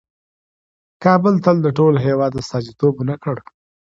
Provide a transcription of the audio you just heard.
کابل تل د ټول هېواد استازیتوب ونه کړ.